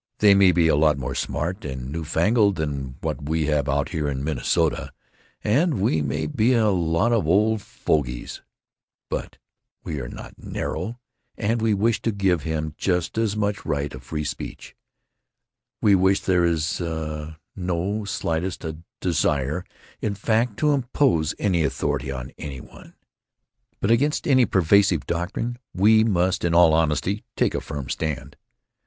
They may be a lot more smart and new fangled than what we have out here in Minnesota, and we may be a lot of old fogies, but we are not narrow, and we wish to give him just as much right of free speech—we wish—there is—uh—no slightest—uh—desire, in fact, to impose any authority on any one. But against any perversive doctrine we must in all honesty take a firm stand.